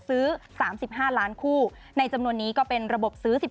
ซื้อสามสิบห้าล้านคู่ในจำนวนนี้ก็เป็นระบบซื้อสิบ